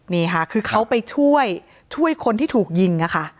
นี่ค่ะคือเขาไปช่วยช่วยคนที่ถูกยิงค่ะ